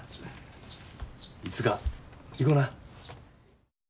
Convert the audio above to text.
いつか行こな。